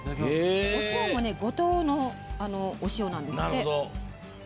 お塩も五島のお塩なんですって。